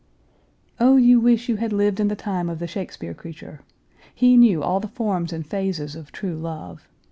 "] "Oh, you wish you had lived in the time of the Shakespeare creature!" He knew all the forms and phases of true love.